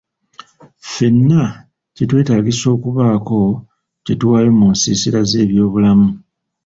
Ffenna kitwetaagisa okubaako kye tuwaayo mu nsiisira z'ebyobulamu.